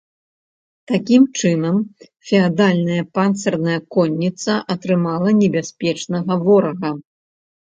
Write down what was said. Такім чынам, феадальная панцырная конніца атрымала небяспечнага ворага.